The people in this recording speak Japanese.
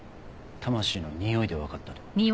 魂の匂いで分かったと。